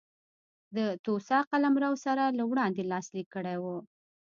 د توسا قلمرو سره له وړاندې لاسلیک کړی و.